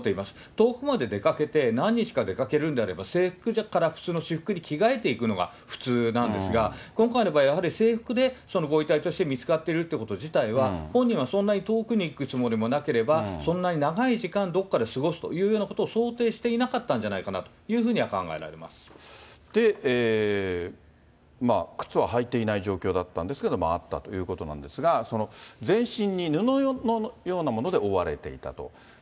遠くまで出かけて何日か出かけるんであれば、制服から普通の私服に着替えていくのが普通なんですが、今回の場合は、やはり、制服でご遺体として見つかっているということ自体は、本人はそんなに遠くに行くつもりもなければ、そんなに長い時間、どこかで過ごすようなことを想定していなかったんじゃないかなとで、靴は履いていない状況だったんですけど、あったということなんですが、全身に、布のようなもので覆われていたと。